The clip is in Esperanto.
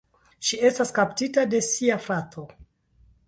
Ŝi estas kaptita de sia frato.